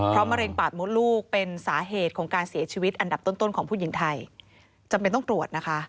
เพราะมะเร็งปากมดลูกเป็นสาเหตุของการเสียชีวิตอันดับต้นของผู้หญิงไทยจำเป็นต้องตรวจนะคะ